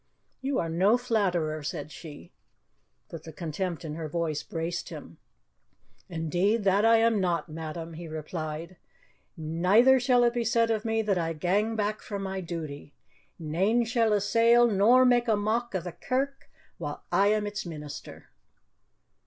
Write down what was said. "You are no flatterer," said she. But the contempt in her voice braced him. "Indeed, that I am not, madam," he replied; "neither shall it be said of me that I gang back from my duty. Nane shall assail nor make a mock of the Kirk while I am its minister."